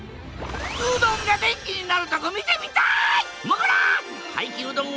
うどんが電気になるとこ見てみたい！